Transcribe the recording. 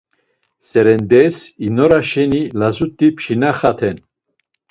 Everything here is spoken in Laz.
Serendes, inora şeni lazut̆i pşinaxaten.